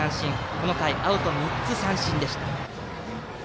この回、アウト３つ三振でした。